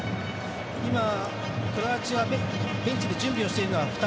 クロアチア、ベンチで準備をしているのは２人。